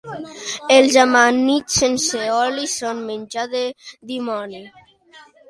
Els amanits sense oli són menjar del dimoni.